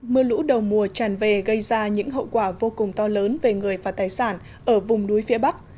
mưa lũ đầu mùa tràn về gây ra những hậu quả vô cùng to lớn về người và tài sản ở vùng núi phía bắc